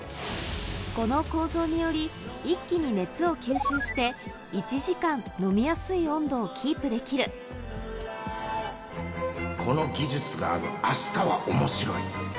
この構造により一気に熱を吸収して１時間飲みやすい温度をキープできるこの技術がある明日は面白い